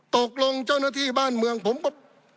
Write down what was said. เจ้าหน้าที่บ้านเมืองผมก็